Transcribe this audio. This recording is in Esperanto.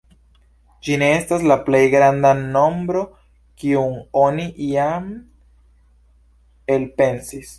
Ĝi ne estas la plej granda nombro, kiun oni iam elpensis.